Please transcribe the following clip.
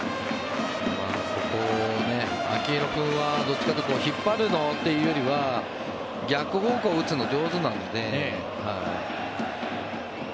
秋広君はどっちかというと引っ張るというよりは逆方向へ打つのが上手なので。